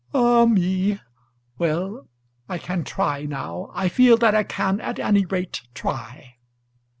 "Ah me. Well, I can try now. I feel that I can at any rate try."